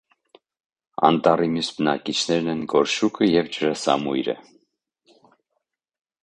Անտառի մյուս բնակիչներն են գորշուկը և ջրասամույրը։